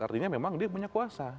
artinya memang dia punya kuasa